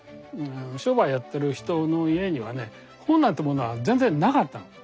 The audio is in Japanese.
商売やってる人の家にはね本なんてものは全然なかったの。